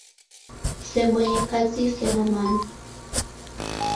Kusebonye kazi isena mana